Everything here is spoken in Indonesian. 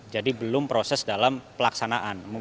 jadi belum proses dalam pelaksanaan